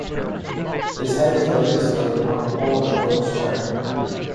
His head was later displayed on a pole in a village square.